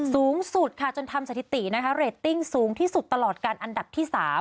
สูงสุดค่ะจนทำสถิตินะคะเรตติ้งสูงที่สุดตลอดการอันดับที่๓